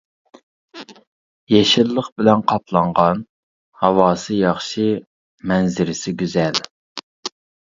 يېشىللىق بىلەن قاپلانغان، ھاۋاسى ياخشى، مەنزىرىسى گۈزەل.